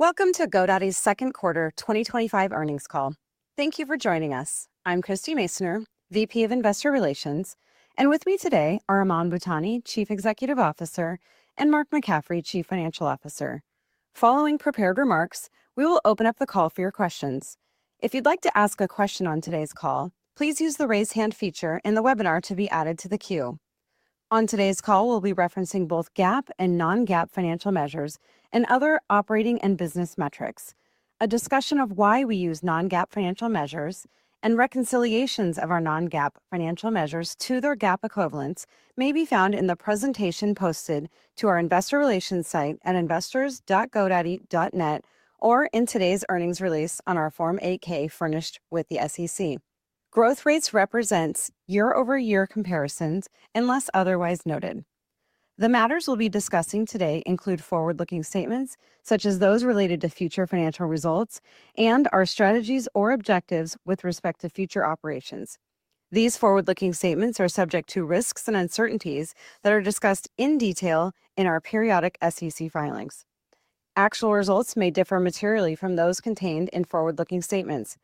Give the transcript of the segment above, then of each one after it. Welcome to GoDaddy's second quarter 2025 earnings call. Thank you for joining us. I'm Christie Masoner, VP of Investor Relations, and with me today are Aman Bhutani, Chief Executive Officer, and Mark McCaffrey, Chief Financial Officer. Following prepared remarks, we will open up the call for your questions. If you'd like to ask a question on today's call, please use the raise hand feature in the webinar to be added to the queue. On today's call, we'll be referencing both GAAP and non-GAAP financial measures and other operating and business metrics. A discussion of why we use non-GAAP financial measures and reconciliations of our non-GAAP financial measures to their GAAP equivalents may be found in the presentation posted to our Investor Relations site at investors.godaddy.net or in today's earnings release on our Form 8-K furnished with the SEC. Growth rates represent year-over-year comparisons unless otherwise noted. The matters we'll be discussing today include forward-looking statements, such as those related to future financial results, and our strategies or objectives with respect to future operations. These forward-looking statements are subject to risks and uncertainties that are discussed in detail in our periodic SEC filings. Actual results may differ materially from those contained in forward-looking statements.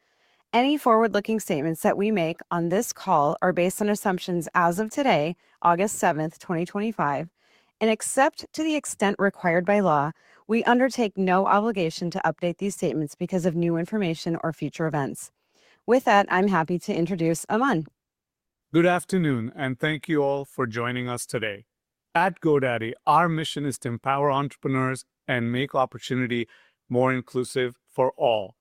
Any forward-looking statements that we make on this call are based on assumptions as of today, August 7th, 2025, and except to the extent required by law, we undertake no obligation to update these statements because of new information or future events. With that, I'm happy to introduce Aman. Good afternoon, and thank you all for joining us today. At GoDaddy, our mission is to empower entrepreneurs and make opportunity more inclusive for all.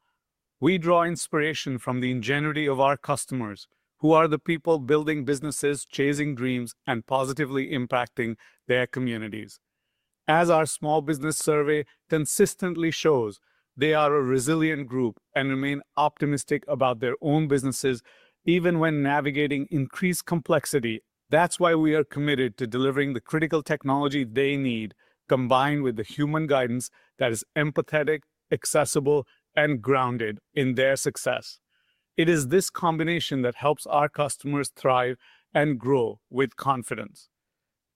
We draw inspiration from the ingenuity of our customers, who are the people building businesses, chasing dreams, and positively impacting their communities. As our small business survey consistently shows, they are a resilient group and remain optimistic about their own businesses, even when navigating increased complexity. That's why we are committed to delivering the critical technology they need, combined with the human guidance that is empathetic, accessible, and grounded in their success. It is this combination that helps our customers thrive and grow with confidence.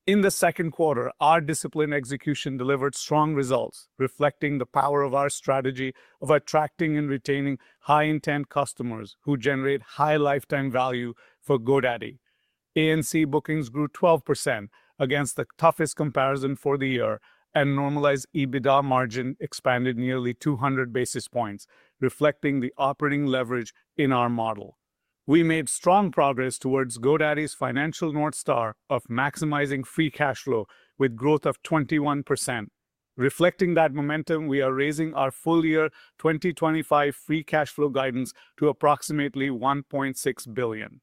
In the second quarter, our disciplined execution delivered strong results, reflecting the power of our strategy of attracting and retaining high-intent customers who generate high lifetime value for GoDaddy. ANC bookings grew 12% against the toughest comparison for the year, and normalized EBITDA margin expanded nearly 200 basis points, reflecting the operating leverage in our model. We made strong progress towards GoDaddy's financial North Star of maximizing free cash flow with growth of 21%. Reflecting that momentum, we are raising our full-year 2025 free cash flow guidance to approximately $1.6 billion.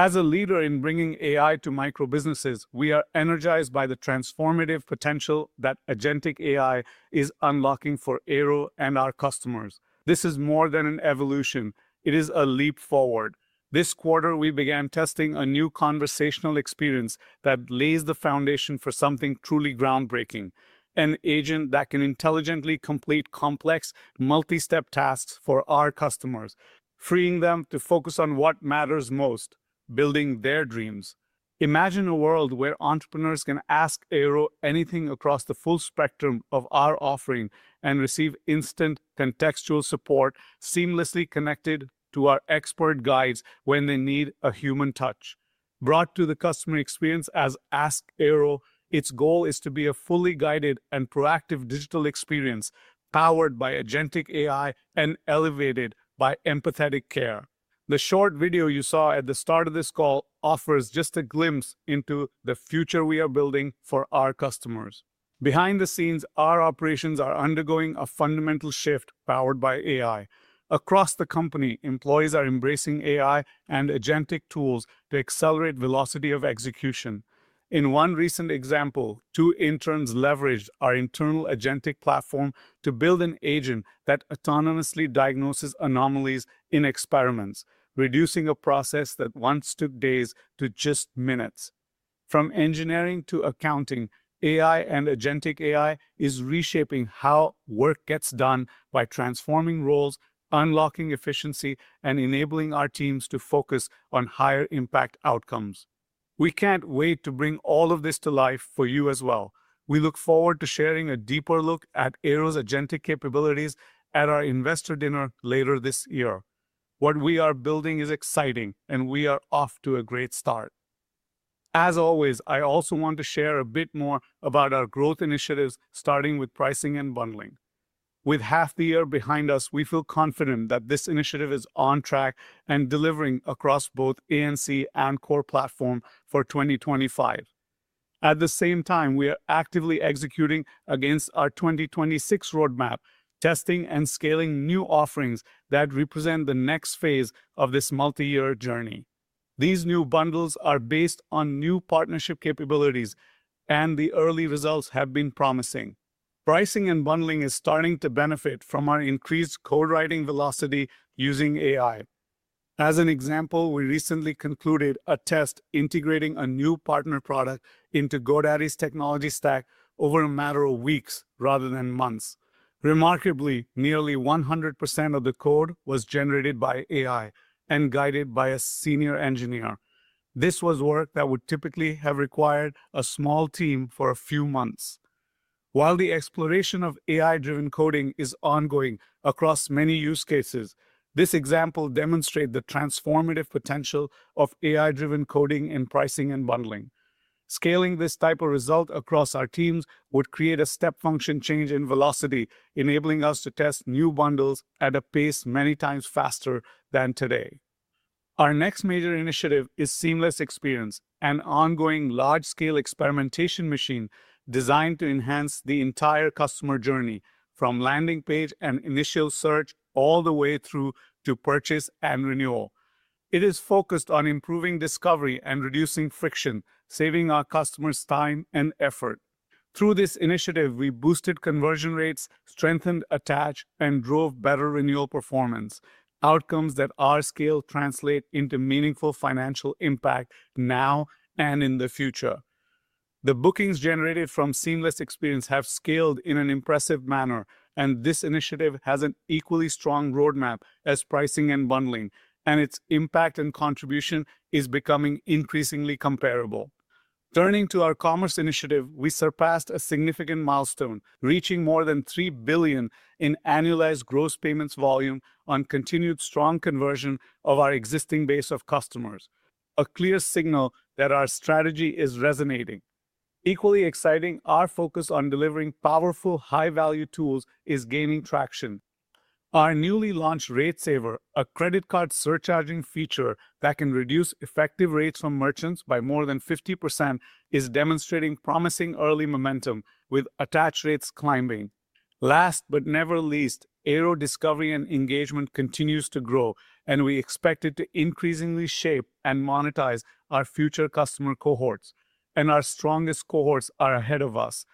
As a leader in bringing AI to micro businesses, we are energized by the transformative potential that agentic AI is unlocking for Aero and our customers. This is more than an evolution, it is a leap forward. This quarter, we began testing a new conversational experience that lays the foundation for something truly groundbreaking: an agent that can intelligently complete complex, multi-step tasks for our customers, freeing them to focus on what matters most: building their dreams. Imagine a world where entrepreneurs can ask Aero anything across the full spectrum of our offering and receive instant contextual support, seamlessly connected to our expert guides when they need a human touch. Brought to the customer experience as Ask Aero, its goal is to be a fully guided and proactive digital experience powered by agentic AI and elevated by empathetic care. The short video you saw at the start of this call offers just a glimpse into the future we are building for our customers. Behind the scenes, our operations are undergoing a fundamental shift powered by AI. Across the company, employees are embracing AI and agentic tools to accelerate velocity of execution. In one recent example, two interns leveraged our internal agentic platform to build an agent that autonomously diagnoses anomalies in experiments, reducing a process that once took days to just minutes. From engineering to accounting, AI and agentic AI are reshaping how work gets done by transforming roles, unlocking efficiency, and enabling our teams to focus on higher impact outcomes. We can't wait to bring all of this to life for you as well. We look forward to sharing a deeper look at Aero's agentic capabilities at our investor dinner later this year. What we are building is exciting, and we are off to a great start. As always, I also want to share a bit more about our growth initiatives, starting with pricing and bundling. With half the year behind us, we feel confident that this initiative is on track and delivering across both ANC and core platform for 2025. At the same time, we are actively executing against our 2026 roadmap, testing and scaling new offerings that represent the next phase of this multi-year journey. These new bundles are based on new partnership capabilities, and the early results have been promising. Pricing and bundling are starting to benefit from our increased code writing velocity using AI. As an example, we recently concluded a test integrating a new partner product into GoDaddy's technology stack over a matter of weeks rather than months. Remarkably, nearly 100% of the code was generated by AI and guided by a Senior Engineer. This was work that would typically have required a small team for a few months. While the exploration of AI-driven coding is ongoing across many use cases, this example demonstrates the transformative potential of AI-driven coding in pricing and bundling. Scaling this type of result across our teams would create a step function change in velocity, enabling us to test new bundles at a pace many times faster than today. Our next major initiative is Seamless Experience, an ongoing large-scale experimentation machine designed to enhance the entire customer journey, from landing page and initial search all the way through to purchase and renewal. It is focused on improving discovery and reducing friction, saving our customers time and effort. Through this initiative, we boosted conversion rates, strengthened attach, and drove better renewal performance, outcomes that at our scale translate into meaningful financial impact now and in the future. The bookings generated from Seamless Experience have scaled in an impressive manner, and this initiative has an equally strong roadmap as pricing and bundling, and its impact and contribution are becoming increasingly comparable. Turning to our commerce initiative, we surpassed a significant milestone, reaching more than $3 billion in annualized gross payments volume on continued strong conversion of our existing base of customers, a clear signal that our strategy is resonating. Equally exciting, our focus on delivering powerful high-value tools is gaining traction. Our newly launched Rate Saver, a credit card surcharging feature that can reduce effective rates for merchants by more than 50%, is demonstrating promising early momentum with attach rates climbing. Last but never least, Aero discovery and engagement continue to grow, and we expect it to increasingly shape and monetize our future customer cohorts, and our strongest cohorts are ahead of us.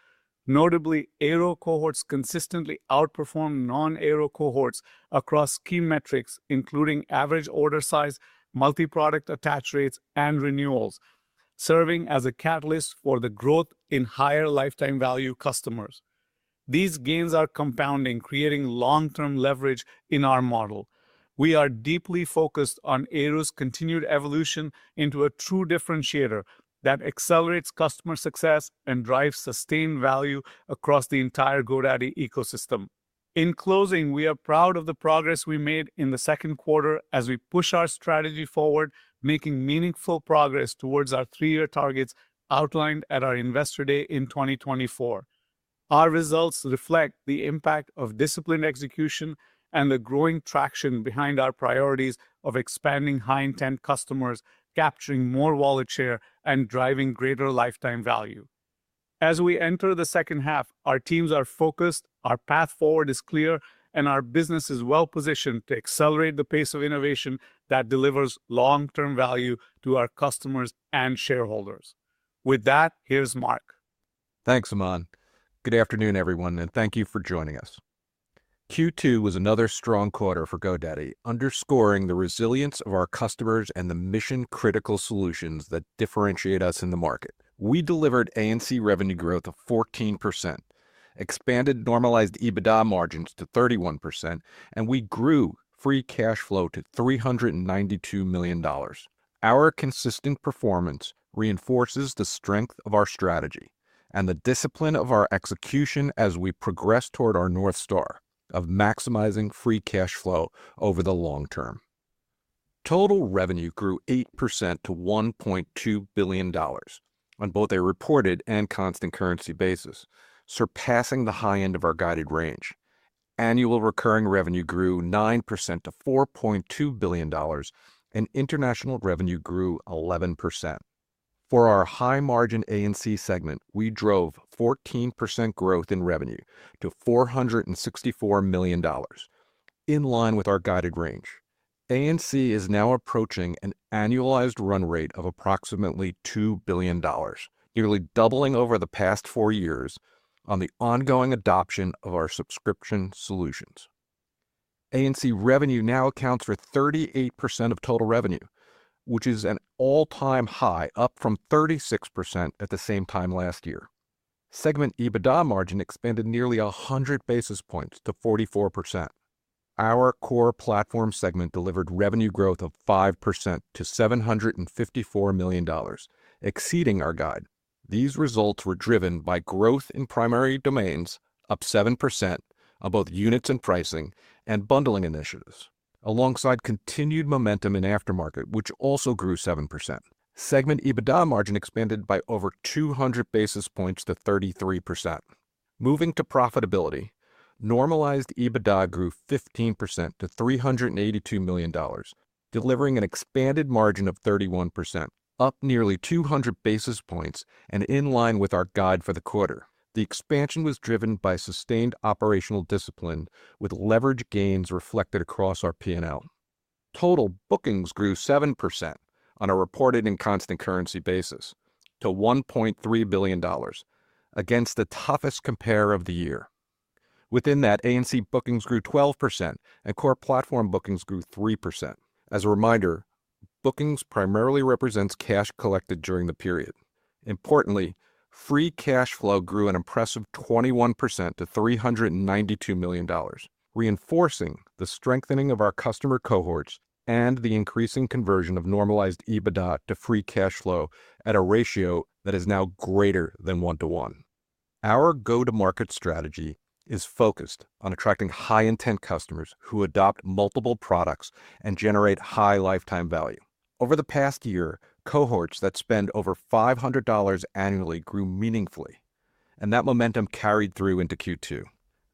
Notably, Aero cohorts consistently outperform non-Aero cohorts across key metrics, including average order size, multi-product attach rates, and renewals, serving as a catalyst for the growth in higher lifetime value customers. These gains are compounding, creating long-term leverage in our model. We are deeply focused on Aero's continued evolution into a true differentiator that accelerates customer success and drives sustained value across the entire GoDaddy ecosystem. In closing, we are proud of the progress we made in the second quarter as we push our strategy forward, making meaningful progress towards our three-year targets outlined at our investor day in 2024. Our results reflect the impact of disciplined execution and the growing traction behind our priorities of expanding high-intent customers, capturing more wallet share, and driving greater lifetime value. As we enter the second half, our teams are focused, our path forward is clear, and our business is well-positioned to accelerate the pace of innovation that delivers long-term value to our customers and shareholders. With that, here's Mark. Thanks, Aman. Good afternoon, everyone, and thank you for joining us. Q2 was another strong quarter for GoDaddy, underscoring the resilience of our customers and the mission-critical solutions that differentiate us in the market. We delivered ANC revenue growth of 14%, expanded normalized EBITDA margins to 31%, and we grew free cash flow to $392 million. Our consistent performance reinforces the strength of our strategy and the discipline of our execution as we progress toward our North Star of maximizing free cash flow over the long term. Total revenue grew 8% to $1.2 billion on both a reported and constant currency basis, surpassing the high end of our guided range. Annual recurring revenue grew 9% to $4.2 billion, and international revenue grew 11%. For our high-margin ANC segment, we drove 14% growth in revenue to $464 million, in line with our guided range. ANC is now approaching an annualized run rate of approximately $2 billion, nearly doubling over the past four years on the ongoing adoption of our subscription solutions. ANC revenue now accounts for 38% of total revenue, which is an all-time high, up from 36% at the same time last year. Segment EBITDA margin expanded nearly 100 basis points to 44%. Our core platform segment delivered revenue growth of 5% to $754 million, exceeding our guide. These results were driven by growth in primary domains, up 7%, of both units and pricing and bundling initiatives, alongside continued momentum in aftermarket, which also grew 7%. Segment EBITDA margin expanded by over 200 basis points to 33%. Moving to profitability, normalized EBITDA grew 15% to $382 million, delivering an expanded margin of 31%, up nearly 200 basis points and in line with our guide for the quarter. The expansion was driven by sustained operational discipline with leverage gains reflected across our P&L. Total bookings grew 7% on a reported and constant currency basis to $1.3 billion against the toughest comparer of the year. Within that, ANC bookings grew 12% and core platform bookings grew 3%. As a reminder, bookings primarily represent cash collected during the period. Importantly, free cash flow grew an impressive 21% to $392 million, reinforcing the strengthening of our customer cohorts and the increasing conversion of normalized EBITDA to free cash flow at a ratio that is now greater than one to one. Our go-to-market strategy is focused on attracting high-intent customers who adopt multiple products and generate high lifetime value. Over the past year, cohorts that spend over $500 annually grew meaningfully, and that momentum carried through into Q2.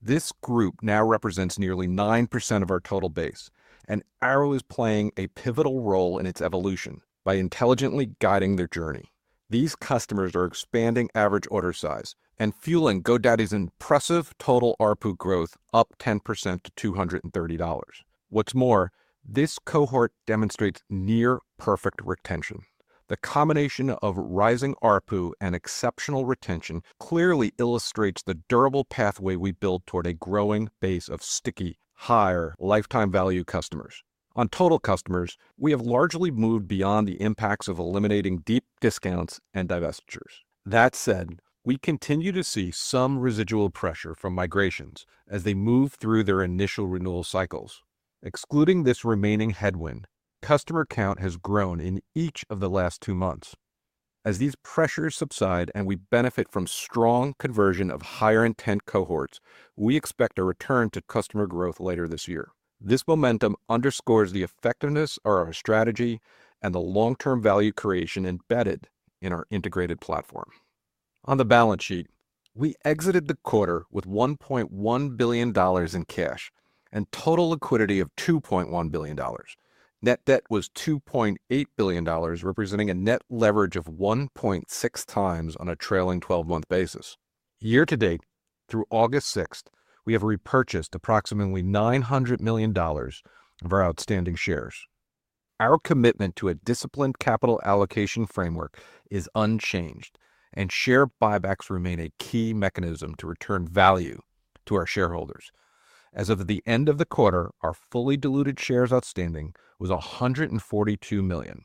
This group now represents nearly 9% of our total base, and Aero is playing a pivotal role in its evolution by intelligently guiding their journey. These customers are expanding average order size and fueling GoDaddy's impressive total ARPU growth, up 10% to $230. What's more, this cohort demonstrates near perfect retention. The combination of rising ARPU and exceptional retention clearly illustrates the durable pathway we build toward a growing base of sticky, higher lifetime value customers. On total customers, we have largely moved beyond the impacts of eliminating deep discounts and divestitures. That said, we continue to see some residual pressure from migrations as they move through their initial renewal cycles. Excluding this remaining headwind, customer count has grown in each of the last two months. As these pressures subside and we benefit from strong conversion of higher intent cohorts, we expect a return to customer growth later this year. This momentum underscores the effectiveness of our strategy and the long-term value creation embedded in our integrated platform. On the balance sheet, we exited the quarter with $1.1 billion in cash and total liquidity of $2.1 billion. Net debt was $2.8 billion, representing a net leverage of 1.6x on a trailing 12-month basis. Year to date, through August 6th, we have repurchased approximately $900 million of our outstanding shares. Our commitment to a disciplined capital allocation framework is unchanged, and share buybacks remain a key mechanism to return value to our shareholders. As of the end of the quarter, our fully diluted shares outstanding was $142 million.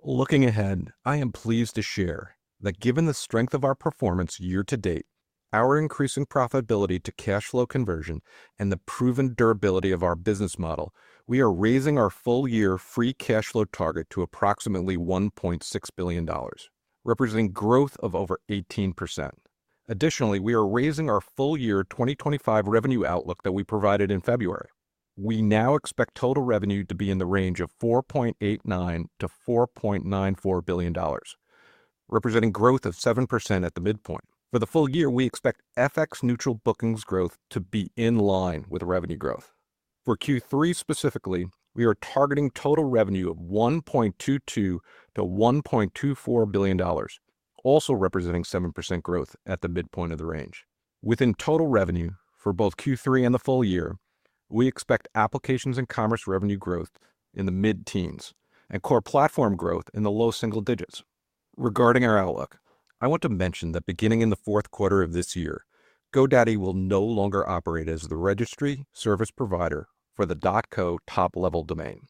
Looking ahead, I am pleased to share that given the strength of our performance year to date, our increasing profitability to cash flow conversion, and the proven durability of our business model, we are raising our full-year free cash flow target to approximately $1.6 billion, representing growth of over 18%. Additionally, we are raising our full-year 2025 revenue outlook that we provided in February. We now expect total revenue to be in the range of $4.89-$4.94 billion, representing growth of 7% at the midpoint. For the full year, we expect FX neutral bookings growth to be in line with revenue growth. For Q3 specifically, we are targeting total revenue of $1.22 billion-$1.24 billion, also representing 7% growth at the midpoint of the range. Within total revenue, for both Q3 and the full year, we expect Applications and Commerce revenue growth in the mid-teens and core platform growth in the low single digits. Regarding our outlook, I want to mention that beginning in the fourth quarter of this year, GoDaddy will no longer operate as the registry service provider for the .co top-level domain.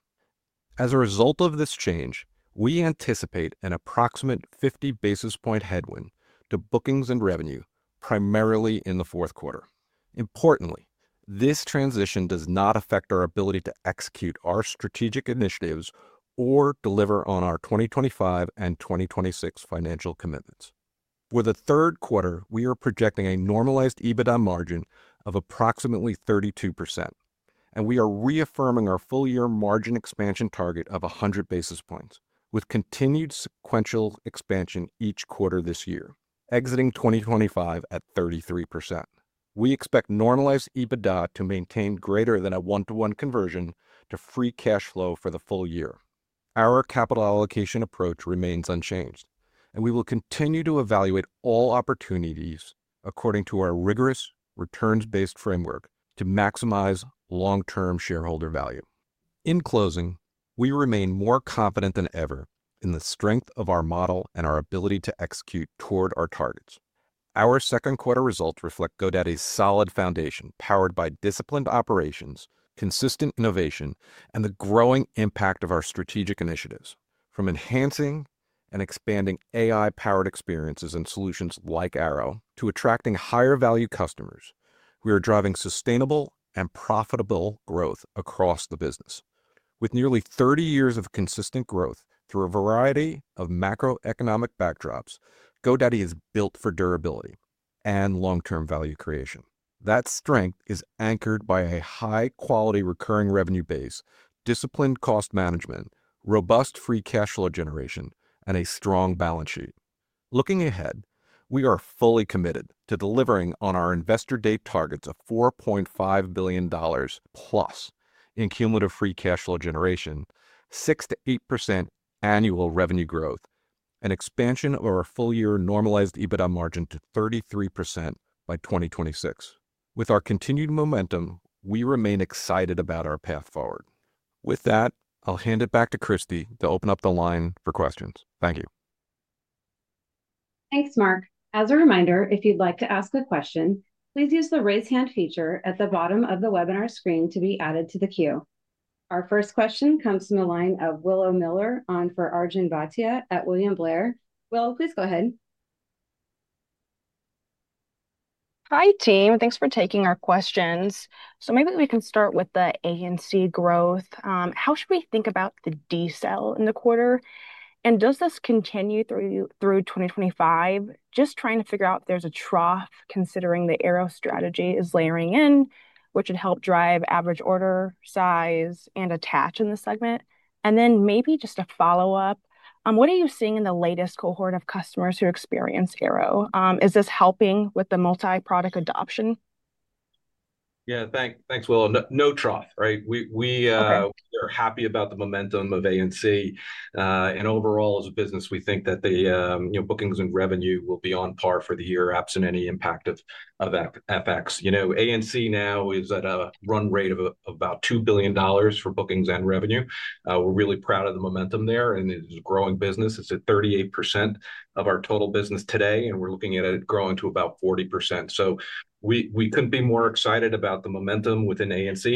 As a result of this change, we anticipate an approximate 50 basis point headwind to bookings and revenue, primarily in the fourth quarter. Importantly, this transition does not affect our ability to execute our strategic initiatives or deliver on our 2025 and 2026 financial commitments. For the third quarter, we are projecting a normalized EBITDA margin of approximately 32%, and we are reaffirming our full-year margin expansion target of 100 basis points, with continued sequential expansion each quarter this year, exiting 2025 at 33%. We expect normalized EBITDA to maintain greater than a one-to-one conversion to free cash flow for the full year. Our capital allocation approach remains unchanged, and we will continue to evaluate all opportunities according to our rigorous returns-based framework to maximize long-term shareholder value. In closing, we remain more confident than ever in the strength of our model and our ability to execute toward our targets. Our second quarter results reflect GoDaddy's solid foundation, powered by disciplined operations, consistent innovation, and the growing impact of our strategic initiatives. From enhancing and expanding AI-powered experiences and solutions like Aero to attracting higher value customers, we are driving sustainable and profitable growth across the business. With nearly 30 years of consistent growth through a variety of macroeconomic backdrops, GoDaddy is built for durability and long-term value creation. That strength is anchored by a high-quality recurring revenue base, disciplined cost management, robust free cash flow generation, and a strong balance sheet. Looking ahead, we are fully committed to delivering on our investor day targets of $4.5 billion plus in cumulative free cash flow generation, 6%-8% annual revenue growth, and expansion of our full-year normalized EBITDA margin to 33% by 2026. With our continued momentum, we remain excited about our path forward. With that, I'll hand it back to Christie to open up the line for questions. Thank you. Thanks, Mark. As a reminder, if you'd like to ask a question, please use the raise hand feature at the bottom of the webinar screen to be added to the queue. Our first question comes from the line of Willow Miller on for Arjun Bhatia at William Blair. Willow, please go ahead. Hi, team. Thanks for taking our questions. Maybe we can start with the Applications and Commerce (ANC) growth. How should we think about the deceleration in the quarter? Does this continue through 2025? Just trying to figure out if there's a trough, considering the Aero strategy is layering in, which would help drive average order size and attach rates in the segment. Maybe just a follow-up. What are you seeing in the latest cohort of customers who experience Aero? Is this helping with the multi-product adoption? Yeah, thanks, Willow. No trough, right? We are happy about the momentum of ANC. Overall, as a business, we think that the bookings and revenue will be on par for the year, absent any impact of FX. ANC now is at a run rate of about $2 billion for bookings and revenue. We're really proud of the momentum there, and it's a growing business. It's at 38% of our total business today, and we're looking at it growing to about 40%. We couldn't be more excited about the momentum within ANC.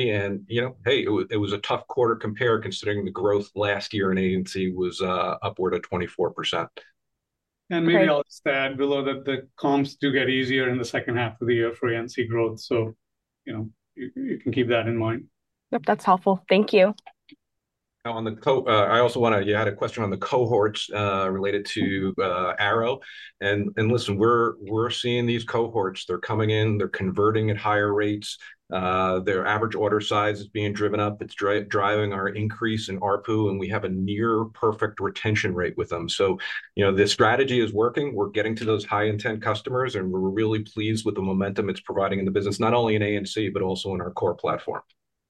It was a tough quarter to compare, considering the growth last year in ANC was upward of 24%. Maybe I'll expand, Willow, that the comps do get easier in the second half of the year for ANC growth. You can keep that in mind. Yep, that's helpful. Thank you. I also want to add a question on the cohorts related to Aero. We're seeing these cohorts, they're coming in, they're converting at higher rates, their average order size is being driven up, it's driving our increase in ARPU, and we have a near perfect retention rate with them. This strategy is working. We're getting to those high-intent customers, and we're really pleased with the momentum it's providing in the business, not only in Applications and Commerce (ANC), but also in our core platform.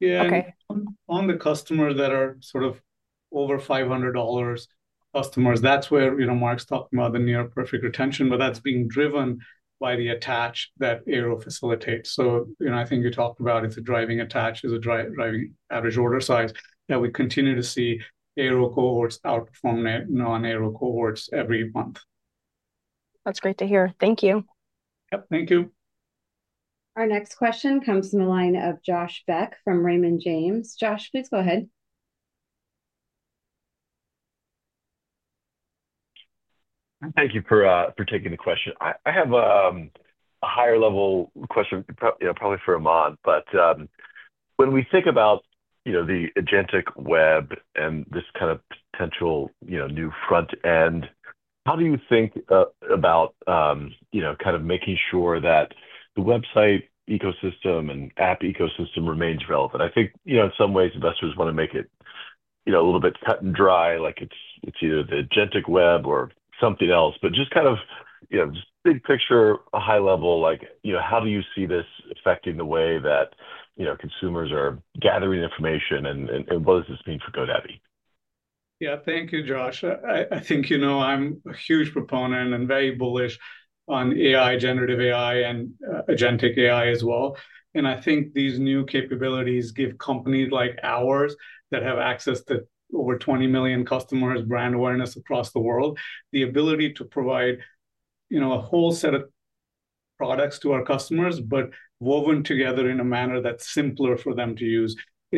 Yeah, on the customers that are sort of over $500 customers, that's where Mark's talking about the near perfect retention, but that's being driven by the attach that Aero facilitates. I think you talk about it's a driving attach, is a driving average order size. We continue to see Aero cohorts outperform non-Aero cohorts every month. That's great to hear. Thank you. Thank you. Our next question comes from the line of Josh Beck from Raymond James. Josh, please go ahead. Thank you for taking the question. I have a higher level question, probably for Aman, but when we think about the agentic web and this kind of potential new front end, how do you think about kind of making sure that the website ecosystem and app ecosystem remains relevant? I think in some ways, investors want to make it a little bit cut and dry, like it's either the agentic web or something else, but just kind of, you know, just big picture, a high level, like, you know, how do you see this affecting the way that, you know, consumers are gathering information and what does this mean for GoDaddy? Thank you, Josh. I think I'm a huge proponent and very bullish on AI, generative AI, and agentic AI as well. I think these new capabilities give companies like ours that have access to over 20 million customers, brand awareness across the world, the ability to provide a whole set of products to our customers, but woven together in a manner that's simpler for them to use,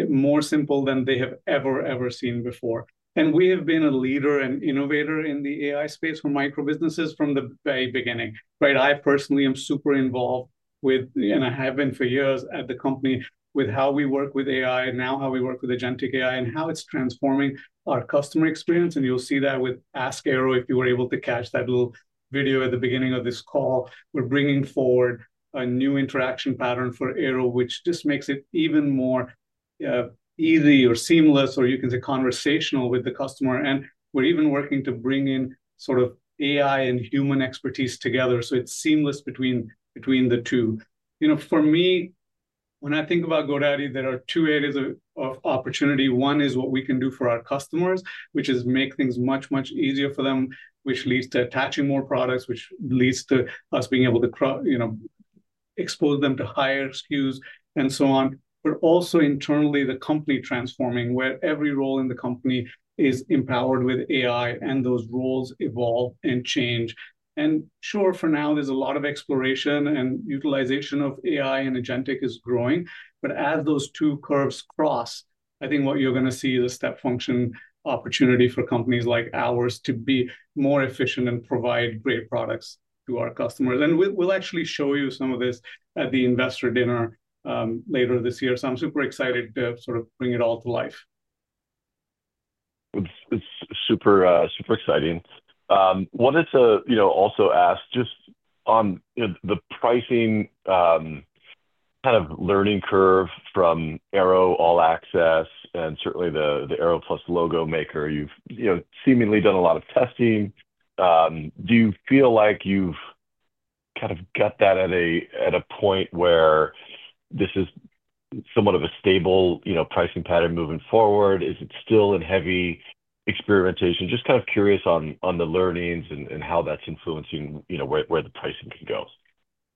more simple than they have ever, ever seen before. We have been a leader and innovator in the AI space for micro businesses from the very beginning. I personally am super involved with, and I have been for years at the company with how we work with AI and now how we work with agentic AI and how it's transforming our customer experience. You'll see that with Ask Aero, if you were able to catch that little video at the beginning of this call. We're bringing forward a new interaction pattern for Aero, which just makes it even more easy or seamless, or you can say conversational with the customer. We're even working to bring in sort of AI and human expertise together so it's seamless between the two. For me, when I think about GoDaddy, there are two areas of opportunity. One is what we can do for our customers, which is make things much, much easier for them, which leads to attaching more products, which leads to us being able to expose them to higher SKUs and so on. Also internally, the company is transforming where every role in the company is empowered with AI and those roles evolve and change. For now, there's a lot of exploration and utilization of AI and agentic is growing. As those two curves cross, I think what you're going to see is a step function opportunity for companies like ours to be more efficient and provide great products to our customers. We'll actually show you some of this at the investor dinner later this year. I'm super excited to sort of bring it all to life. It's super, super exciting. Wanted to also ask just on the pricing kind of learning curve from Aero All Access and certainly the Aero Plus logo maker. You've seemingly done a lot of testing. Do you feel like you've kind of got that at a point where this is somewhat of a stable pricing pattern moving forward? Is it still in heavy experimentation? Just kind of curious on the learnings and how that's influencing where the pricing can go.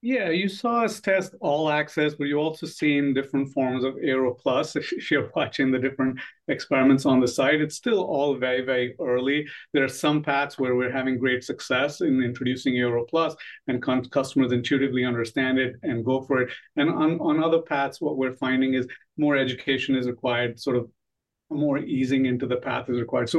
You saw us test All Access, but you've also seen different forms of Aero Plus. If you're watching the different experiments on the site, it's still all very, very early. There are some paths where we're having great success in introducing Aero Plus and customers intuitively understand it and go for it. On other paths, what we're finding is more education is required, sort of more easing into the path is required.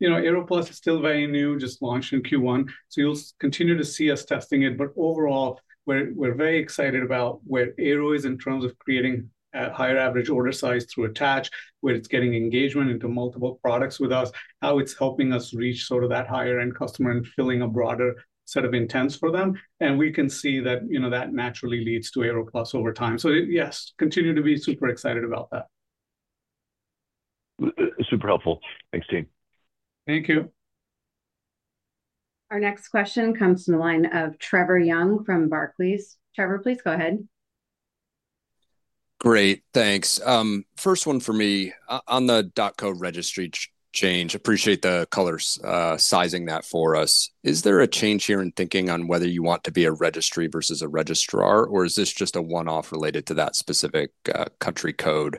Aero Plus is still very new, just launched in Q1. You'll continue to see us testing it. Overall, we're very excited about where Aero is in terms of creating a higher average order size through attach, where it's getting engagement into multiple products with us, how it's helping us reach that higher-end customer and filling a broader set of intents for them. We can see that naturally leads to Aero Plus over time. Yes, continue to be super excited about that. Super helpful. Thanks, team. Thank you. Our next question comes from the line of Trevor Young from Barclays. Trevor, please go ahead. Great, thanks. First one for me. On the .co registry change, I appreciate the color sizing that for us. Is there a change here in thinking on whether you want to be a registry versus a registrar, or is this just a one-off related to that specific country code?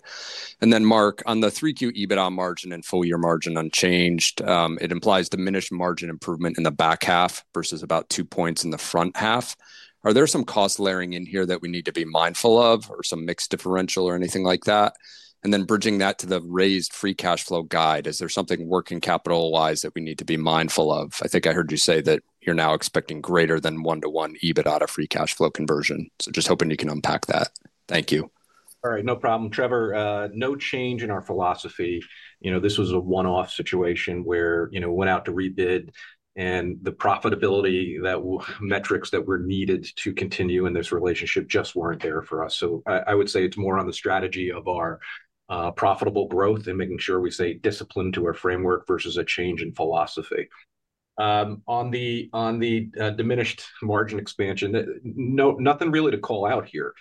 Mark, on the 3Q EBITDA margin and full-year margin unchanged, it implies diminished margin improvement in the back half versus about two points in the front half. Are there some cost layering in here that we need to be mindful of or some mix differential or anything like that? Bridging that to the raised free cash flow guide, is there something working capital-wise that we need to be mindful of? I think I heard you say that you're now expecting greater than one-to-one EBITDA to free cash flow conversion. Just hoping you can unpack that. Thank you. All right, no problem. Trevor, no change in our philosophy. This was a one-off situation where we went out to rebid, and the profitability metrics that were needed to continue in this relationship just weren't there for us. I would say it's more on the strategy of our profitable growth and making sure we stay disciplined to our framework versus a change in philosophy. On the diminished margin expansion, nothing really to call out here.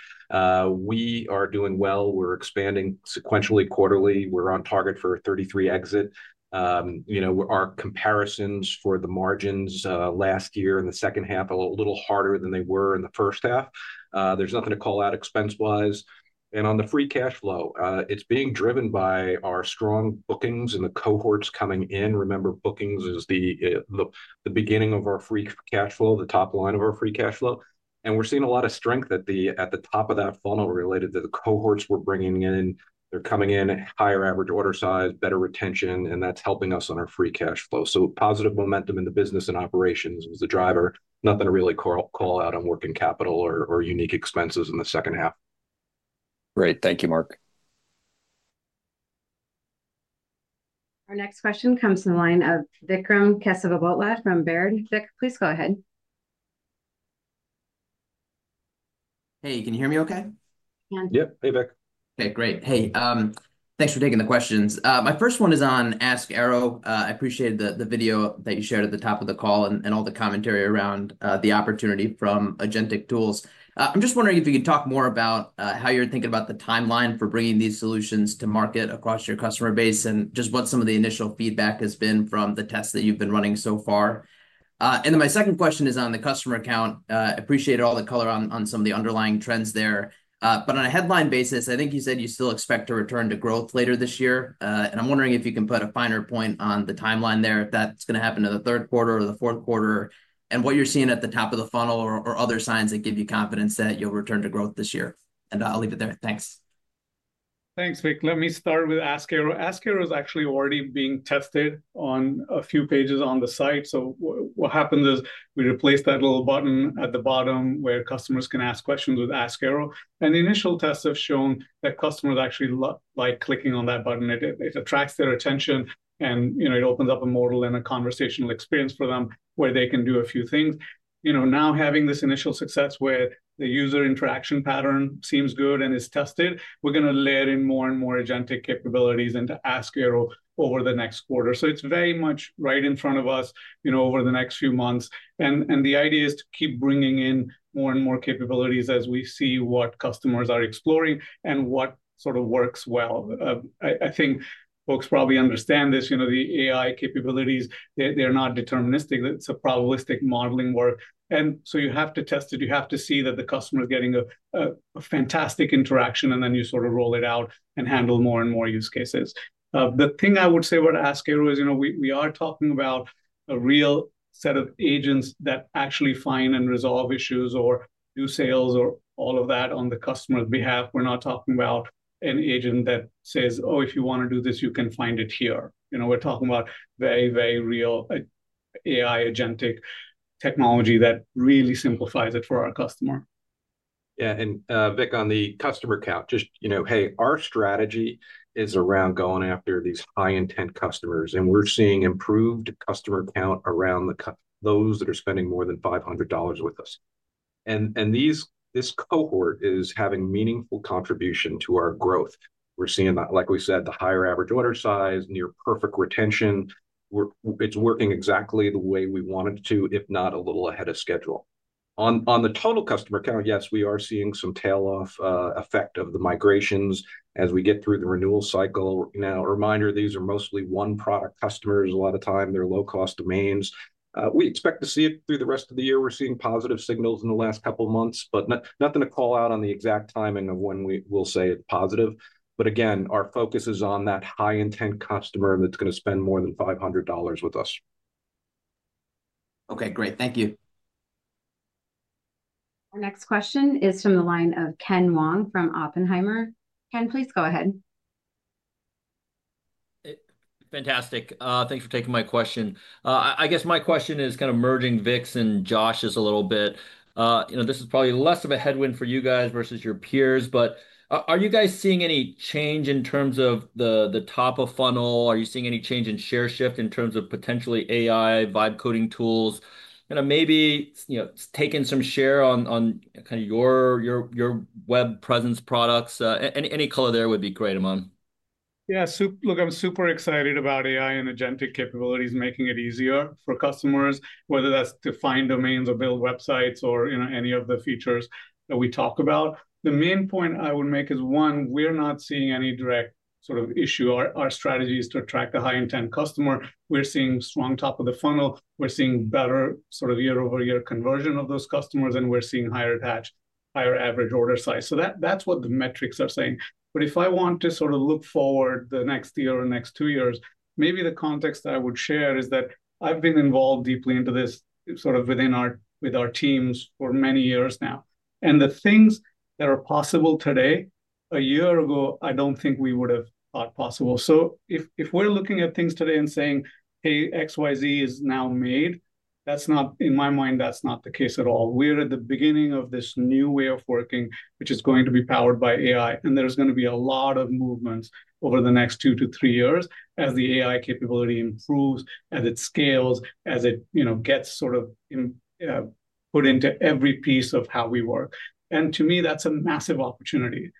We are doing well, we're expanding sequentially quarterly, we're on target for a 33% exit. Our comparisons for the margins last year in the second half are a little harder than they were in the first half. There's nothing to call out expense-wise. On the free cash flow, it's being driven by our strong bookings and the cohorts coming in. Remember, bookings is the beginning of our free cash flow, the top line of our free cash flow, and we're seeing a lot of strength at the top of that funnel related to the cohorts we're bringing in. They're coming in at higher average order size, better retention, and that's helping us on our free cash flow. Positive momentum in the business and operations is the driver. Nothing to really call out on working capital or unique expenses in the second half. Great, thank you, Mark. Our next question comes from the line of Vikram Kesavabhotla from Baird. Vikram, please go ahead. Hey, can you hear me okay? Yep. Yep, hey, Vikram. Okay, great. Hey, thanks for taking the questions. My first one is on Ask Aero. I appreciated the video that you shared at the top of the call and all the commentary around the opportunity from agentic tools. I'm just wondering if you could talk more about how you're thinking about the timeline for bringing these solutions to market across your customer base, and just what some of the initial feedback has been from the tests that you've been running so far. My second question is on the customer count. I appreciate all the color on some of the underlying trends there. On a headline basis, I think you said you still expect to return to growth later this year. I'm wondering if you can put a finer point on the timeline there, if that's going to happen in the third quarter or the fourth quarter, and what you're seeing at the top of the funnel or other signs that give you confidence that you'll return to growth this year. I'll leave it there. Thanks. Thanks, Vikram. Let me start with Ask Aero. Ask Aero is actually already being tested on a few pages on the site. What happens is we replace that little button at the bottom where customers can ask questions with Ask Aero. Initial tests have shown that customers actually like clicking on that button. It attracts their attention, and it opens up a modal and a conversational experience for them where they can do a few things. Now, having this initial success where the user interaction pattern seems good and is tested, we're going to layer in more and more agentic capabilities into Ask Aero over the next quarter. It is very much right in front of us over the next few months. The idea is to keep bringing in more and more capabilities as we see what customers are exploring and what sort of works well. I think folks probably understand this. The AI capabilities, they're not deterministic. It's a probabilistic modeling work. You have to test it. You have to see that the customer is getting a fantastic interaction, and then you sort of roll it out and handle more and more use cases. The thing I would say about Ask Aero is we are talking about a real set of agents that actually find and resolve issues or do sales or all of that on the customer's behalf. We're not talking about an agent that says, oh, if you want to do this, you can find it here. We're talking about very, very real AI agentic technology that really simplifies it for our customer. Yeah, Vikram, on the customer count, our strategy is around going after these high-intent customers and we're seeing improved customer count around those that are spending more than $500 with us. This cohort is having meaningful contribution to our growth. We're seeing that, like we said, the higher average order size, near perfect retention. It's working exactly the way we want it to, if not a little ahead of schedule. On the total customer count, yes, we are seeing some tail-off effect of the migrations as we get through the renewal cycle. A reminder, these are mostly one-product customers. A lot of time, they're low-cost domains. We expect to see it through the rest of the year. We're seeing positive signals in the last couple of months, but nothing to call out on the exact timing of when we'll say it's positive. Again, our focus is on that high-intent customer that's going to spend more than $500 with us. Okay, great. Thank you. Our next question is from the line of Ken Wong from Oppenheimer. Ken, please go ahead. Fantastic. Thanks for taking my question. I guess my question is kind of merging Vikram and Josh a little bit. This is probably less of a headwind for you guys versus your peers, but are you guys seeing any change in terms of the top of funnel? Are you seeing any change in share shift in terms of potentially AI, vibe coding tools? Maybe it's taking some share on kind of your web presence products. Any color there would be great, Aman. Yeah, look, I'm super excited about AI and agentic capabilities making it easier for customers, whether that's to find domains or build websites or any of the features that we talk about. The main point I would make is, one, we're not seeing any direct sort of issue. Our strategy is to attract a high-intent customer. We're seeing strong top of the funnel. We're seeing better sort of year-over-year conversion of those customers, and we're seeing higher attach, higher average order size. That's what the metrics are saying. If I want to look forward the next year or next two years, maybe the context that I would share is that I've been involved deeply into this within our teams for many years now. The things that are possible today, a year ago, I don't think we would have thought possible. If we're looking at things today and saying, hey, XYZ is now made, that's not, in my mind, that's not the case at all. We're at the beginning of this new way of working, which is going to be powered by AI, and there's going to be a lot of movements over the next two to three years as the AI capability improves, as it scales, as it gets put into every piece of how we work. To me, that's a massive opportunity.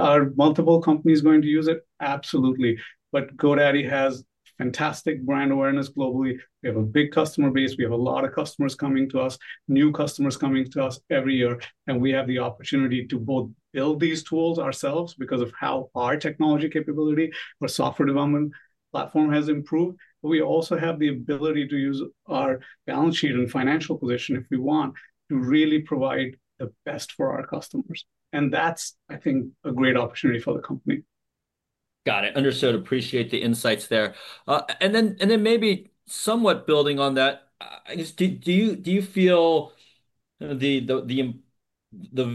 Are multiple companies going to use it? Absolutely. GoDaddy has fantastic brand awareness globally. We have a big customer base. We have a lot of customers coming to us, new customers coming to us every year, and we have the opportunity to both build these tools ourselves because of how our technology capability or software development platform has improved. We also have the ability to use our balance sheet and financial collation if we want to really provide the best for our customers. That's, I think, a great opportunity for the company. Got it. Understood. Appreciate the insights there. Maybe somewhat building on that, I guess, do you feel the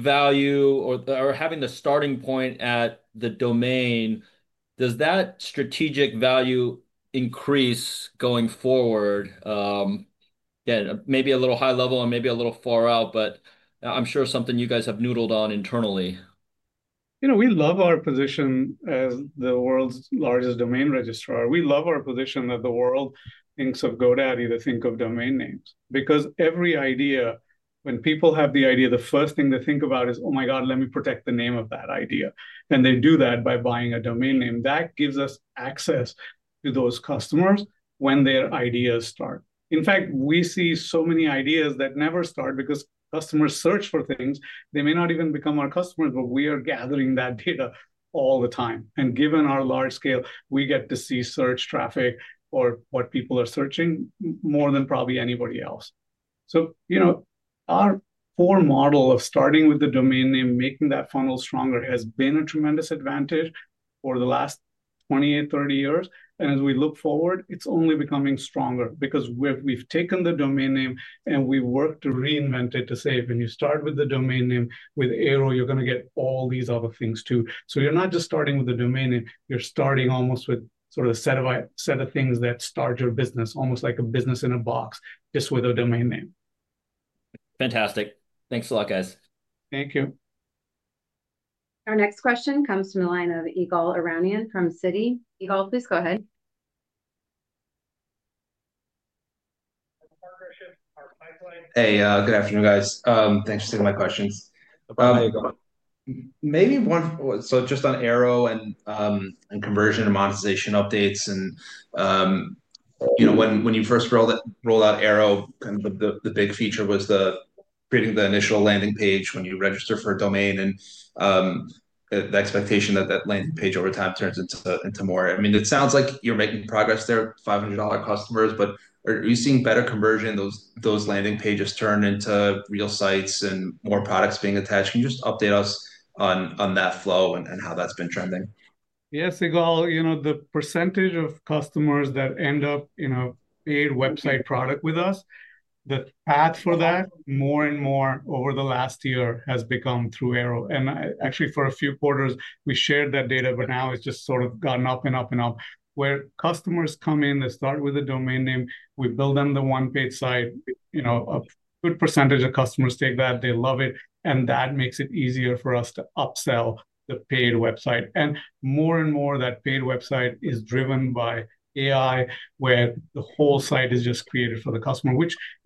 value or having the starting point at the domain, does that strategic value increase going forward? Maybe a little high level and maybe a little far out, but I'm sure something you guys have noodled on internally. You know, we love our position as the world's largest domain registrar. We love our position that the world thinks of GoDaddy to think of domain names. Because every idea, when people have the idea, the first thing they think about is, oh my God, let me protect the name of that idea. They do that by buying a domain name. That gives us access to those customers when their ideas start. In fact, we see so many ideas that never start because customers search for things. They may not even become our customers, but we are gathering that data all the time. Given our large scale, we get to see search traffic or what people are searching more than probably anybody else. Our core model of starting with the domain name, making that funnel stronger, has been a tremendous advantage for the last 28, 30 years. As we look forward, it's only becoming stronger because we've taken the domain name and we work to reinvent it to say when you start with the domain name with Aero, you're going to get all these other things too. You're not just starting with the domain name, you're starting almost with sort of a set of things that start your business, almost like a business in a box, just with a domain name. Fantastic. Thanks a lot, guys. Thank you. Our next question comes from the line of Ygal Arounian from Citi. Ygal, please go ahead. Hey, good afternoon, guys. Thanks for seeing my questions. Maybe one, just on Aero and conversion and monetization updates. You know, when you first rolled out Aero, kind of the big feature was creating the initial landing page when you register for a domain and the expectation that that landing page over time turns into more. It sounds like you're making progress there, $500 customers, but are you seeing better conversion? Those landing pages turn into real sites and more products being attached. Can you just update us on that flow and how that's been trending? Yes, Ygal, you know, the percentage of customers that end up in a paid website product with us that patch for that more and more over the last year has become through Aero. Actually, for a few quarters, we shared that data, but now it's just sort of gotten up and up and up. Customers come in, they start with a domain name, we build them the one-page site, a good percentage of customers take that, they love it, and that makes it easier for us to upsell the paid website. More and more that paid website is driven by AI, where the whole site is just created for the customer,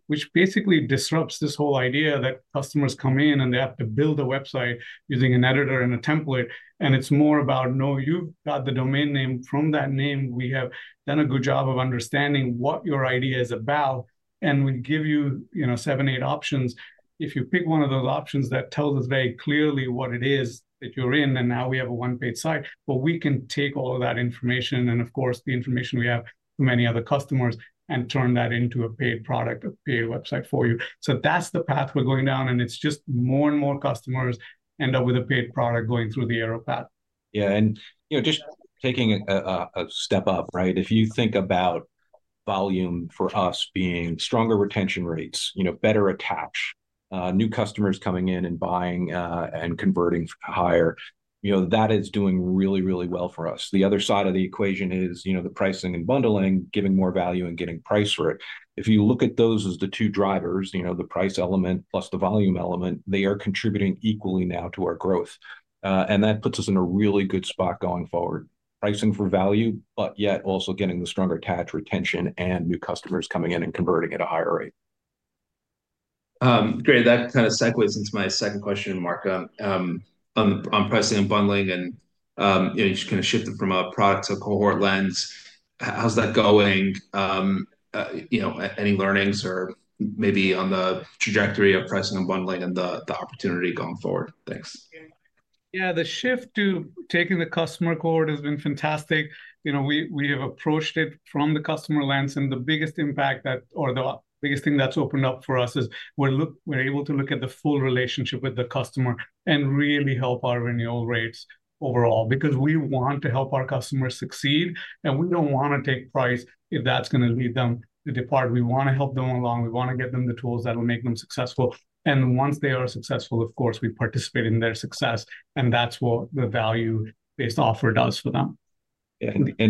which basically disrupts this whole idea that customers come in and they have to build a website using an editor and a template. It's more about, no, you've got the domain name. From that name, we have done a good job of understanding what your idea is about. We give you seven, eight options. If you pick one of those options that tells us very clearly what it is that you're in, then now we have a one-page site, but we can take all of that information and, of course, the information we have from many other customers and turn that into a paid product, a paid website for you. That's the path we're going down, and it's just more and more customers end up with a paid product going through the Aero path. Yeah, and just taking a step up, right? If you think about volume for us being stronger retention rates, better attach, new customers coming in and buying and converting higher, that is doing really, really well for us. The other side of the equation is the pricing and bundling, giving more value and getting price for it. If you look at those as the two drivers, the price element plus the volume element, they are contributing equally now to our growth. That puts us in a really good spot going forward. Pricing for value, but yet also getting the stronger attach retention and new customers coming in and converting at a higher rate. Great, that kind of segues into my second question, Mark. On pricing and bundling, and you know, you just kind of shifted from a product to a cohort lens. How's that going? You know, any learnings or maybe on the trajectory of pricing and bundling and the opportunity going forward? Thanks. Yeah, the shift to taking the customer cohort has been fantastic. We have approached it from the customer lens, and the biggest impact that, or the biggest thing that's opened up for us is we're able to look at the full relationship with the customer and really help our renewal rates overall because we want to help our customers succeed, and we don't want to take price if that's going to lead them to depart. We want to help them along. We want to get them the tools that will make them successful. Once they are successful, of course, we participate in their success, and that's what the value-based offer does for them. I know you have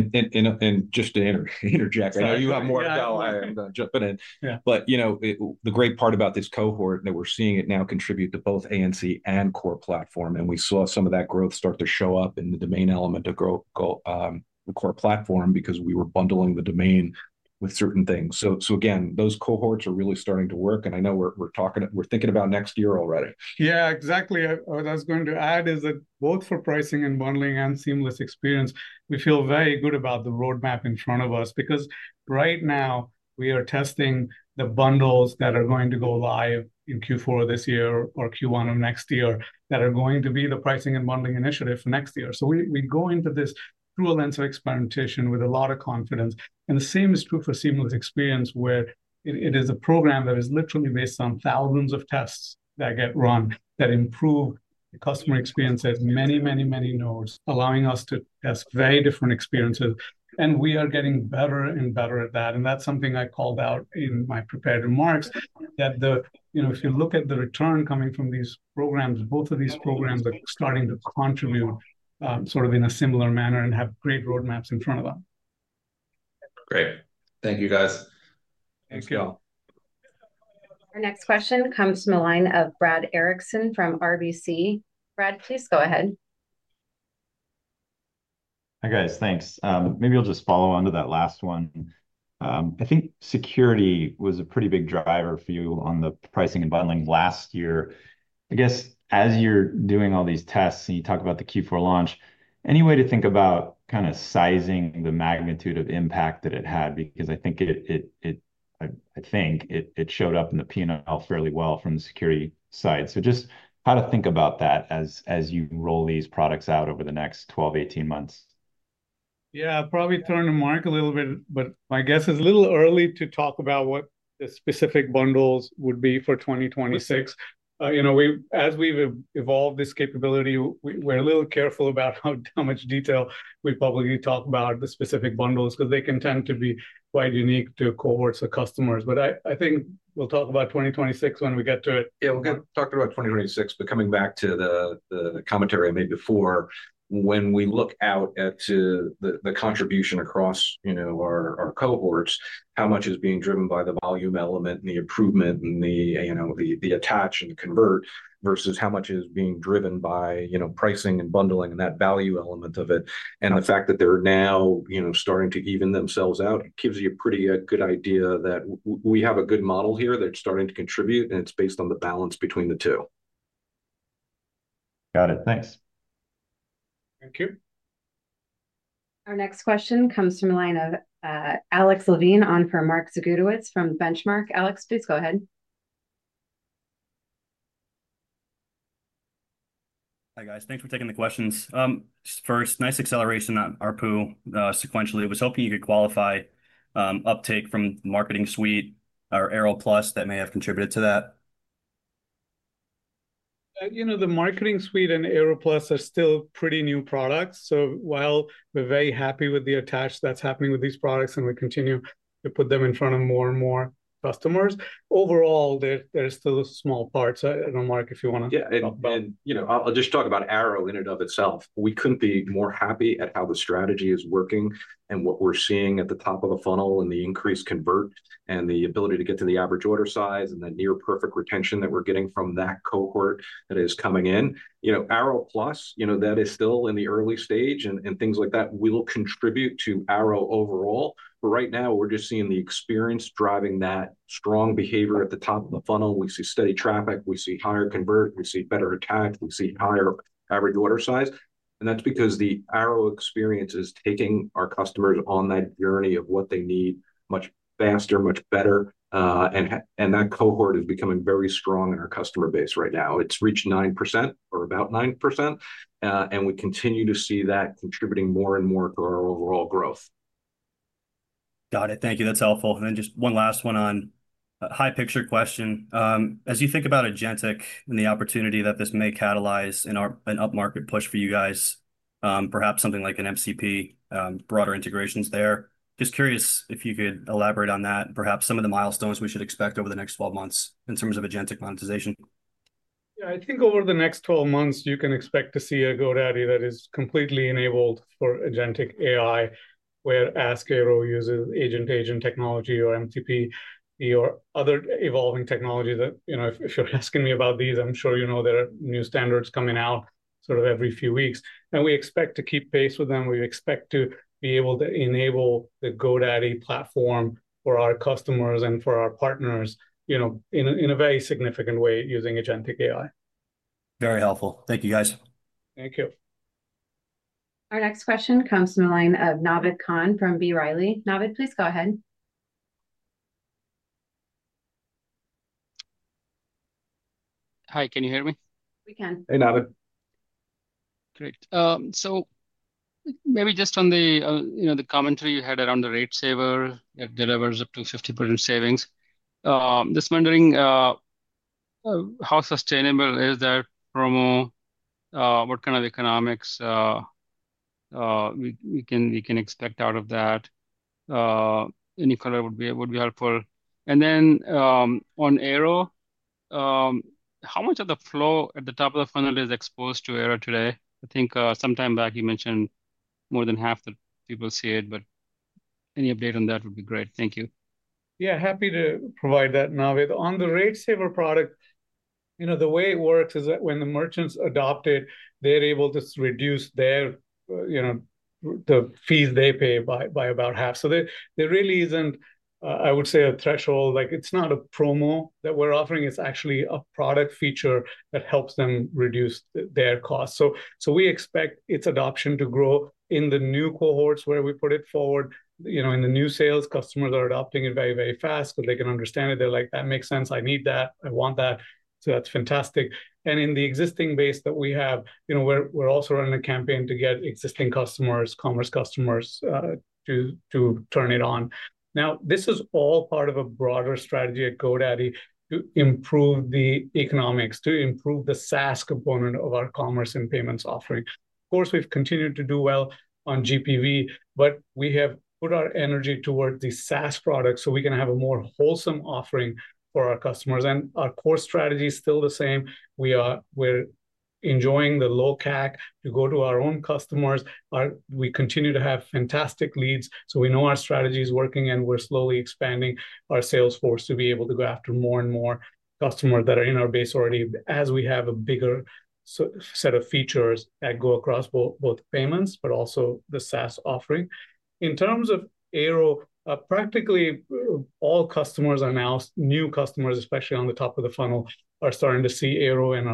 more to go. I'm jumping in. The great part about this cohort is that we're seeing it now contribute to both Applications and Commerce (ANC) and core platform, and we saw some of that growth start to show up in the domain element to go to the core platform because we were bundling the domain with certain things. Those cohorts are really starting to work, and I know we're talking, we're thinking about next year already. Yeah, exactly. What I was going to add is that both for pricing and bundling and Seamless Experience, we feel very good about the roadmap in front of us because right now we are testing the bundles that are going to go live in Q4 this year or Q1 of next year that are going to be the pricing and bundling initiative for next year. We go into this through a lens of experimentation with a lot of confidence. The same is true for Seamless Experience where it is a program that is literally based on thousands of tests that get run that improve the customer experience at many, many, many nodes, allowing us to test very different experiences. We are getting better and better at that. That's something I called out in my prepared remarks that if you look at the return coming from these programs, both of these programs are starting to contribute sort of in a similar manner and have great roadmaps in front of us. Great. Thank you, guys. Thank you all. Our next question comes from the line of Brad Erickson from RBC. Brad, please go ahead. Hi guys, thanks. Maybe I'll just follow on to that last one. I think security was a pretty big driver for you on the pricing and bundling last year. I guess as you're doing all these tests and you talk about the Q4 launch, any way to think about kind of sizing the magnitude of impact that it had because I think it showed up in the P&L fairly well from the security side. Just how to think about that as you roll these products out over the next 12-18 months. Yeah, probably turn the mic a little bit, but my guess is it's a little early to talk about what the specific bundles would be for 2026. As we've evolved this capability, we're a little careful about how much detail we probably talk about the specific bundles because they can tend to be quite unique to cohorts of customers. I think we'll talk about 2026 when we get to it. Yeah, we're going to talk about 2026, but coming back to the commentary I made before, when we look out at the contribution across our cohorts, how much is being driven by the volume element and the improvement and the attach and convert versus how much is being driven by pricing and bundling and that value element of it. The fact that they're now starting to even themselves out gives you a pretty good idea that we have a good model here that's starting to contribute, and it's based on the balance between the two. Got it. Thanks. Thank you. Our next question comes from the line of Alex Levine on for Mark Zgutowicz from Benchmark. Alex, please go ahead. Hi guys, thanks for taking the questions. First, nice acceleration on ARPU sequentially. I was hoping you could qualify uptake from the marketing suite or Aero Plus that may have contributed to that. You know, the marketing suite and Aero Plus are still pretty new products. While we're very happy with the attach that's happening with these products and we continue to put them in front of more and more customers, overall, they're still a small part. I don't know, Mark, if you want to. Yeah, and you know, I'll just talk about Aero in and of itself. We couldn't be more happy at how the strategy is working and what we're seeing at the top of the funnel, the increased convert, and the ability to get to the average order size and the near perfect retention that we're getting from that cohort that is coming in. You know, Aero Plus, you know, that is still in the early stage and things like that will contribute to Aero overall. Right now, we're just seeing the experience driving that strong behavior at the top of the funnel. We see steady traffic, higher convert, better attach, and higher average order size. That's because the Aero experience is taking our customers on that journey of what they need much faster, much better. That cohort is becoming very strong in our customer base right now. It's reached 9% or about 9%, and we continue to see that contributing more and more to our overall growth. Got it. Thank you. That's helpful. One last one on a high-picture question. As you think about agentic and the opportunity that this may catalyze in an upmarket push for you guys, perhaps something like an MCP, broader integrations there, just curious if you could elaborate on that and perhaps some of the milestones we should expect over the next 12 months in terms of agentic monetization. Yeah, I think over the next 12 months, you can expect to see a GoDaddy that is completely enabled for agentic AI, where Ask Aero uses agent-to-agent technology or MCP or other evolving technology that, you know, if you're asking me about these, I'm sure you know there are new standards coming out sort of every few weeks. We expect to keep pace with them. We expect to be able to enable the GoDaddy platform for our customers and for our partners in a very significant way using agentic AI. Very helpful. Thank you, guys. Thank you. Our next question comes from the line of Navid Khan from B. Riley. Navid, please go ahead. Hi, can you hear me? We can. Hey, Navid. Great. Maybe just on the commentary you had around the Rate Saver that delivers up to 50% savings. Just wondering how sustainable is that promo? What kind of economics we can expect out of that? Any color would be helpful. Then on Aero, how much of the flow at the top of the funnel is exposed to Aero today? I think some time back you mentioned more than half the people see it, but any update on that would be great. Thank you. Yeah, happy to provide that, Navid. On the Rate Saver product, the way it works is that when the merchants adopt it, they're able to reduce their fees they pay by about half. There really isn't, I would say, a threshold. It's not a promo that we're offering. It's actually a product feature that helps them reduce their cost. We expect its adoption to grow in the new cohorts where we put it forward. In the new sales, customers are adopting it very, very fast, but they can understand it. They're like, that makes sense. I need that. I want that. That's fantastic. In the existing base that we have, we're also running a campaign to get existing customers, commerce customers, to turn it on. This is all part of a broader strategy at GoDaddy to improve the economics, to improve the SaaS component of our commerce and payments offering. Of course, we've continued to do well on GPV, but we have put our energy toward the SaaS products so we can have a more wholesome offering for our customers. Our core strategy is still the same. We are enjoying the low CAC to go to our own customers. We continue to have fantastic leads. We know our strategy is working and we're slowly expanding our sales force to be able to go after more and more customers that are in our base already, as we have a bigger set of features that go across both payments, but also the SaaS offering. In terms of Aero, practically all customers are now new customers, especially on the top of the funnel, are starting to see Aero in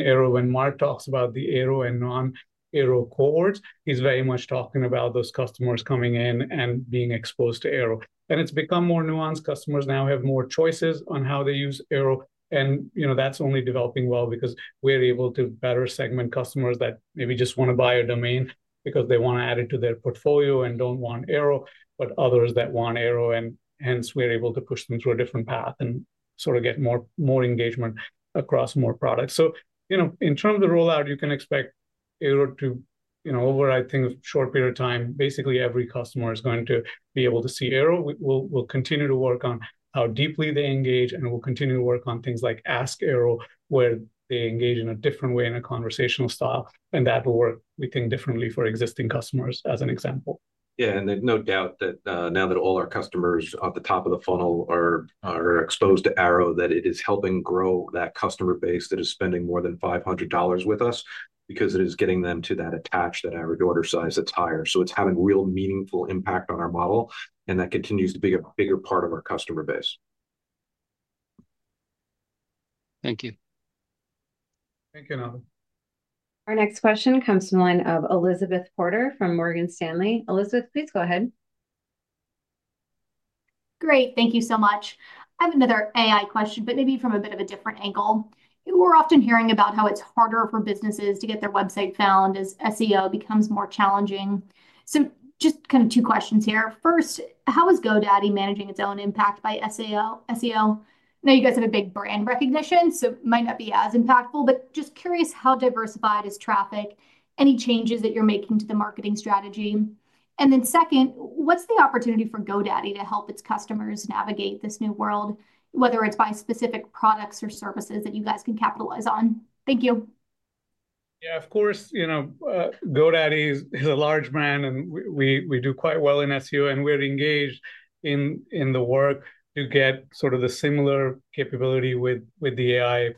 Aero. When Mark talks about the Aero and non-Aero cohorts, he's very much talking about those customers coming in and being exposed to Aero. It's become more nuanced. Customers now have more choices on how they use Aero. That's only developing well because we're able to better segment customers that maybe just want to buy a domain because they want to add it to their portfolio and don't want Aero, but others that want Aero, and hence we're able to push them through a different path and get more engagement across more products. In terms of the rollout, you can expect Aero to override things in a short period of time. Basically, every customer is going to be able to see Aero. We'll continue to work on how deeply they engage, and we'll continue to work on things like Ask Aero, where they engage in a different way in a conversational style, and that will work, we think, differently for existing customers as an example. Yeah, there's no doubt that now that all our customers at the top of the funnel are exposed to Aero, it is helping grow that customer base that is spending more than $500 with us because it is getting them to that attach, that average order size that's higher. It's having a real meaningful impact on our model, and that continues to be a bigger part of our customer base. Thank you. Thank you, Navid. Our next question comes from the line of Elizabeth Porter from Morgan Stanley. Elizabeth, please go ahead. Great, thank you so much. I have another AI question, but maybe from a bit of a different angle. We're often hearing about how it's harder for businesses to get their website found as SEO becomes more challenging. Just kind of two questions here. First, how is GoDaddy managing its own impact by SEO? I know you guys have a big brand recognition, so it might not be as impactful, but just curious how diversified is traffic? Any changes that you're making to the marketing strategy? Second, what's the opportunity for GoDaddy to help its customers navigate this new world, whether it's by specific products or services that you guys can capitalize on? Thank you. Yeah, of course, you know, GoDaddy is a large brand, and we do quite well in SEO, and we're engaged in the work to get sort of the similar capability with the AI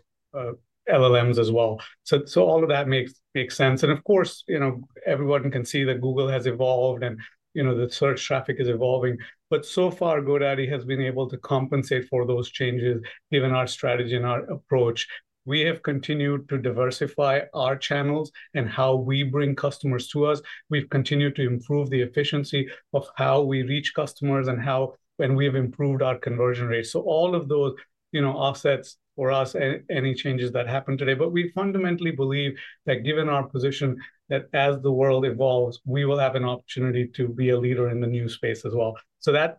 LLMs as well. All of that makes sense. Of course, you know, everyone can see that Google has evolved and, you know, the search traffic is evolving. So far, GoDaddy has been able to compensate for those changes given our strategy and our approach. We have continued to diversify our channels and how we bring customers to us. We've continued to improve the efficiency of how we reach customers and how we have improved our conversion rates. All of those, you know, offsets for us and any changes that happen today. We fundamentally believe that given our position, that as the world evolves, we will have an opportunity to be a leader in the new space as well.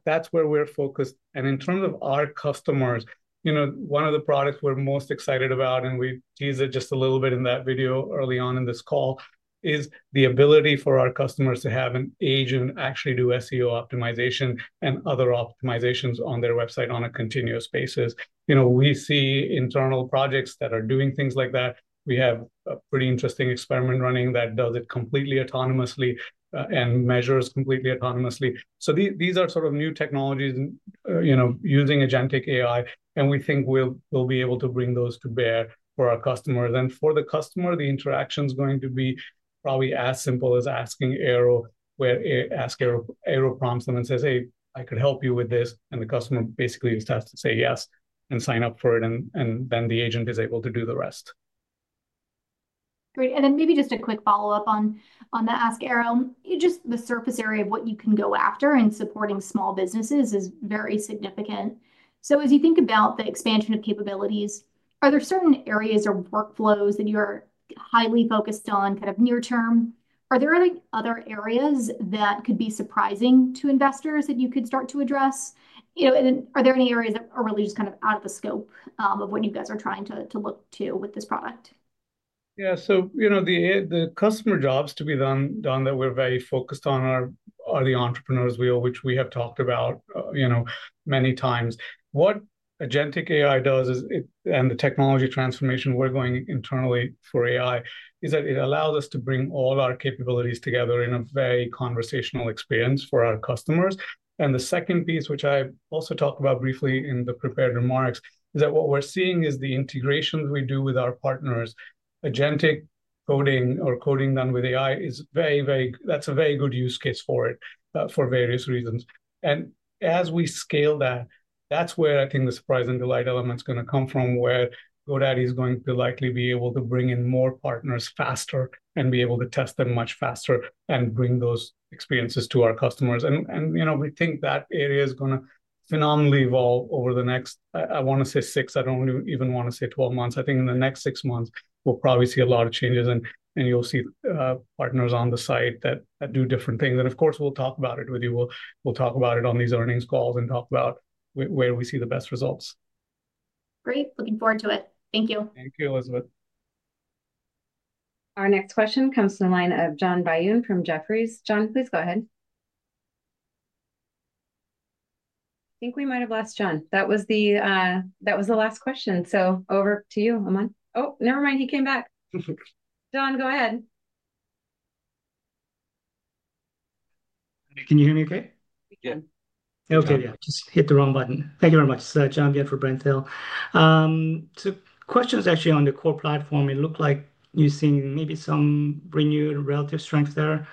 That's where we're focused. In terms of our customers, you know, one of the products we're most excited about, and we teased it just a little bit in that video early on in this call, is the ability for our customers to have an agent actually do SEO optimization and other optimizations on their website on a continuous basis. We see internal projects that are doing things like that. We have a pretty interesting experiment running that does it completely autonomously and measures completely autonomously. These are sort of new technologies, you know, using agentic AI, and we think we'll be able to bring those to bear for our customers. For the customer, the interaction is going to be probably as simple as asking Aero, where Ask Aero prompts them and says, "Hey, I could help you with this," and the customer basically just has to say yes and sign up for it, and then the agent is able to do the rest. Great, and then maybe just a quick follow-up on the Ask Aero. The surface area of what you can go after in supporting small businesses is very significant. As you think about the expansion of capabilities, are there certain areas or workflows that you are highly focused on kind of near term? Are there any other areas that could be surprising to investors that you could start to address? Are there any areas that are really just kind of out of the scope of what you guys are trying to look to with this product? Yeah, the customer jobs to be done that we're very focused on are the entrepreneurs wheel, which we have talked about many times. What agentic AI does is, and the technology transformation we're going internally for AI, is that it allows us to bring all our capabilities together in a very conversational experience for our customers. The second piece, which I also talked about briefly in the prepared remarks, is that what we're seeing is the integrations we do with our partners. Agentic coding or coding done with AI is a very good use case for it for various reasons. As we scale that, that's where I think the surprise and delight element is going to come from, where GoDaddy is going to likely be able to bring in more partners faster and be able to test them much faster and bring those experiences to our customers. We think that area is going to phenomenally evolve over the next, I want to say six, I don't even want to say 12 months. I think in the next six months, we'll probably see a lot of changes and you'll see partners on the site that do different things. Of course, we'll talk about it with you. We'll talk about it on these earnings calls and talk about where we see the best results. Great, looking forward to it. Thank you. Thank you, Elizabeth. Our next question comes from the line of John B. Ayon from Jefferies. John, please go ahead. I think we might have lost John. That was the last question. Over to you, Aman. Never mind, he came back. John, go ahead. Can you hear me okay? Yeah. Okay, yeah, just hit the wrong button. Thank you very much. It's John again for Brandtail. The question is actually on the core platform. It looked like you've seen maybe some renewed relative strength there,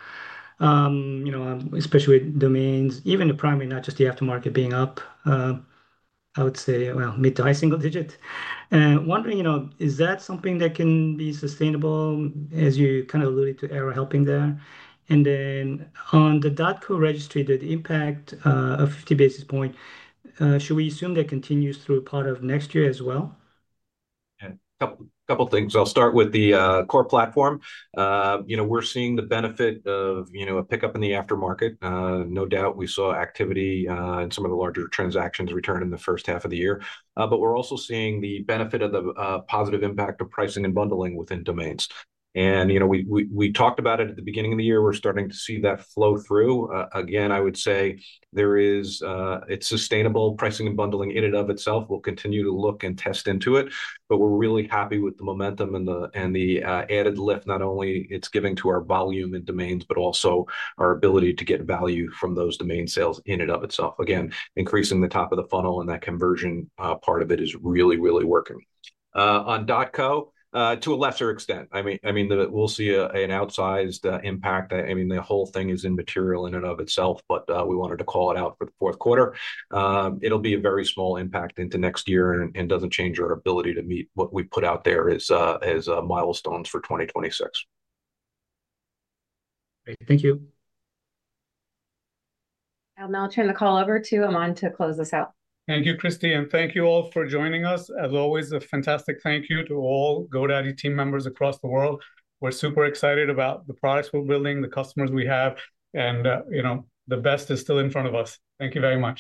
you know, especially with domains, even the primary, not just the aftermarket being up. I would say, mid to high single digit. Wondering, is that something that can be sustainable as you kind of alluded to Aero helping there? On the .co registry, the impact of 50 basis point, should we assume that continues through part of next year as well? A couple of things. I'll start with the core platform. We're seeing the benefit of a pickup in the aftermarket. No doubt we saw activity in some of the larger transactions return in the first half of the year. We're also seeing the benefit of the positive impact of pricing and bundling within domains. We talked about it at the beginning of the year. We're starting to see that flow through. I would say it's sustainable. Pricing and bundling in and of itself, we'll continue to look and test into it. We're really happy with the momentum and the added lift, not only it's giving to our volume in domains, but also our ability to get value from those domain sales in and of itself. Increasing the top of the funnel and that conversion part of it is really, really working. On .co, to a lesser extent, we'll see an outsized impact. The whole thing is immaterial in and of itself, but we wanted to call it out for the fourth quarter. It'll be a very small impact into next year and doesn't change our ability to meet what we put out there as milestones for 2026. Thank you. I'll now turn the call over to Aman to close us out. Thank you, Christie, and thank you all for joining us. As always, a fantastic thank you to all GoDaddy team members across the world. We're super excited about the products we're building, the customers we have, and you know the best is still in front of us. Thank you very much.